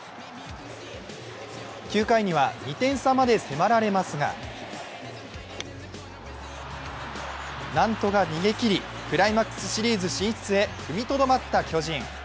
９回には２点差まで迫られますが何とか逃げきり、クライマックスシリーズ進出へ踏みとどまった巨人。